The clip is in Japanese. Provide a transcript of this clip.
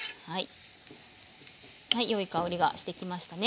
はいよい香りがしてきましたね。